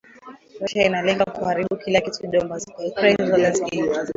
Russia inalenga kuharibu kila kitu Donbas, Ukraine - Zelensky.